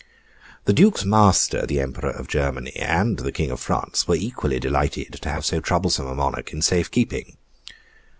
The Duke's master the Emperor of Germany, and the King of France, were equally delighted to have so troublesome a monarch in safe keeping.